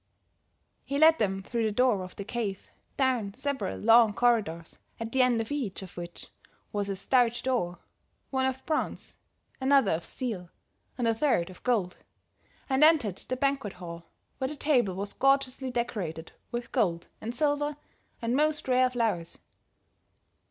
"He led them through the door of the cave, down several long corridors at the end of each of which was a stout door, one of bronze, another of steel and a third of gold, and entered the banquet hall, where the table was gorgeously decorated with gold and silver and most rare flowers.